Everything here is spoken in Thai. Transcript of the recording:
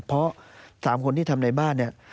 เพราะ๓คนที่ทำในบ้านเนี่ย